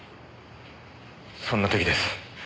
そんな時です。